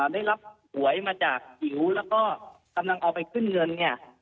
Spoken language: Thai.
ได้รับหวยมาจากหิวแล้วก็กำลังเอาไปขึ้นเงินเนี่ย